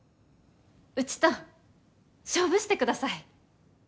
うちと勝負してください！